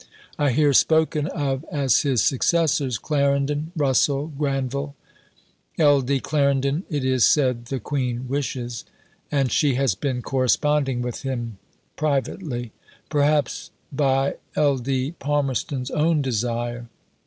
I hear spoken of as his successors Clarendon, Russell, Granville. Ld. Clarendon it is said the Queen wishes and she has been corresponding with him privately perhaps by Ld. Palmerston's own desire.